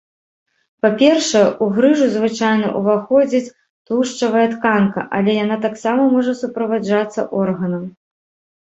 Па-першае, у грыжу звычайна ўваходзіць тлушчавая тканка, але яна таксама можа суправаджацца органам.